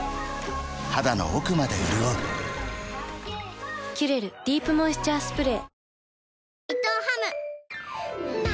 肌の奥まで潤う「キュレルディープモイスチャースプレー」